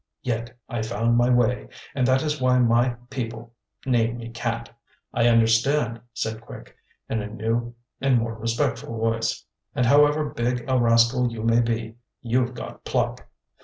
Yet I found my way, and that is why my people name me Cat." "I understand," said Quick in a new and more respectful voice, "and however big a rascal you may be, you've got pluck.